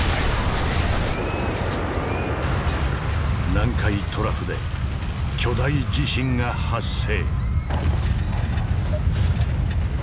南海トラフで巨大地震が発生。